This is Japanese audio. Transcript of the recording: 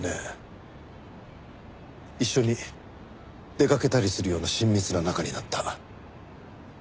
一緒に出かけたりするような親密な仲になった。